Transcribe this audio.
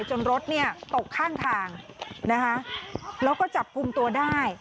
จนรถตกข้างทางนะคะแล้วก็จับกุมตัวได้